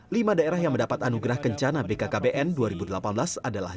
lima daerah yang mendapat anugerah kencana bkkbn dua ribu delapan belas adalah